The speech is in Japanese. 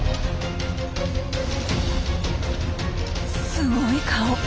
すごい顔。